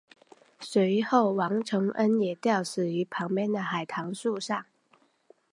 随后王承恩也吊死于旁边的海棠树上。